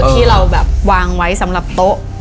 ที่เราแบบวางไว้สำหรับโต๊ะ